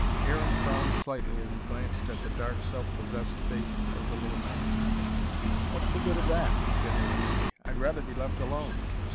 Aaron frowned slightly as he glanced at the dark, self possessed face of the little man. "What's the good of that?" he said irritably. "I'd rather be left alone."